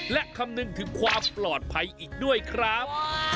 และคำนึงถึงความปลอดภัยอีกด้วยครับ